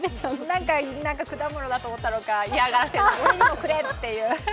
何か果物だと思ったのか、嫌がらせで俺にもくれっていう。